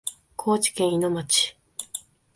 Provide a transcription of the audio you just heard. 高知県いの町